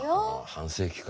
半世紀か。